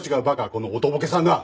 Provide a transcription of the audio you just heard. このおとぼけさんが！